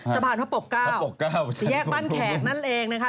สะพานพระปก๙พระปกเก้าสี่แยกบ้านแขกนั่นเองนะคะ